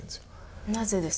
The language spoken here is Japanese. なぜですか？